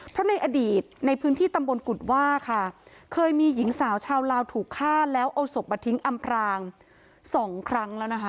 เพราะในอดีตในพื้นที่ตำบลกุฎว่าค่ะเคยมีหญิงสาวชาวลาวถูกฆ่าแล้วเอาศพมาทิ้งอำพรางสองครั้งแล้วนะคะ